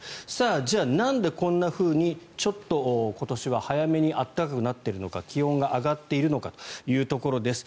じゃあ、なんでこんなふうに今年は早めに暖かくなってるのか気温が上がっているのかというところです。